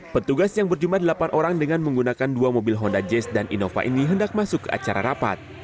petugas yang berjumlah delapan orang dengan menggunakan dua mobil honda jazz dan innova ini hendak masuk ke acara rapat